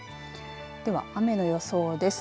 では雨の予想です。